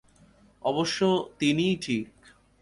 অবশ্য, তিনিই ঠিক।